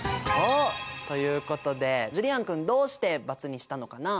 おっ！ということでジュリアン君どうして×にしたのかな？